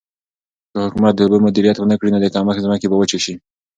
که حکومت د اوبو مدیریت ونکړي نو د کښت ځمکې به وچې شي.